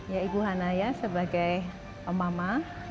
ya ibu hana ya sebagai mama